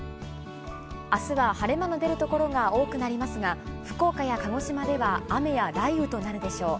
あすは晴れ間の出る所が多くなりますが、福岡や鹿児島では雨や雷雨となるでしょう。